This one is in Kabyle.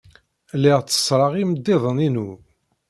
Lliɣ tteṣṣreɣ imeddiden-inu.